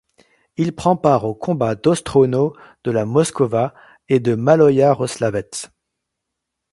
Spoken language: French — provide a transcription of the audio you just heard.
Il prend part aux combats d'Ostrowno, de la Moskova et de Maloyaroslavets.